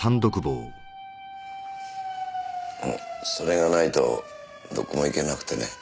それがないとどこも行けなくてね。